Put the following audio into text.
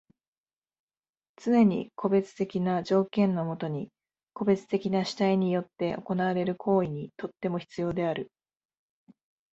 つねに個別的な条件のもとに個別的な主体によって行われる行為にとっても必要である。